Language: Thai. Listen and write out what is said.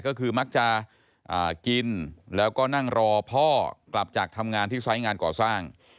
ก็คือมักจะกินแล้วก็นั่งรอพ่อกลับจากทำงานที่ไซส์งานก่อสร้าง